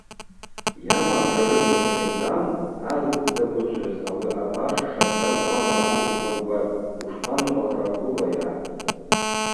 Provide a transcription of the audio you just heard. Йамгӏа бжагӏвыча найырдзан: А зытдзагвычвыз, ауи абаш шабгаз уамгӏа апыкв йтаугватӏ, ушпаныкъвахра угвыгъайа?